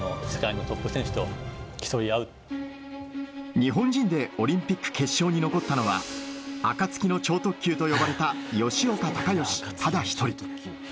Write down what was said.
日本人でオリンピック決勝に残ったのは暁の超特急と呼ばれた吉岡隆徳、ただ１人。